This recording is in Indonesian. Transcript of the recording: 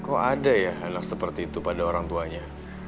kok ada ya anak seperti itu pada orang tuanya